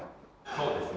そうですね。